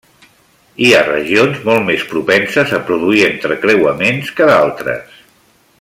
Hi ha regions molt més propenses a produir entrecreuaments que d'altres.